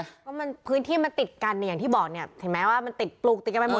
เพราะมันพื้นที่มันติดกันเนี่ยอย่างที่บอกเนี่ยเห็นไหมว่ามันติดปลูกติดกันไปหมด